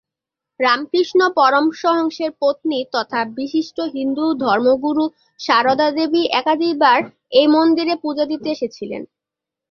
রামকৃষ্ণ পরমহংসের পত্নী তথা বিশিষ্ট হিন্দু ধর্মগুরু সারদা দেবী একাধিকবার এই মন্দিরে পূজা দিতে এসেছিলেন।